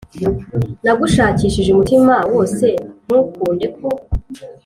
Nagushakishije umutima wose Ntukunde ko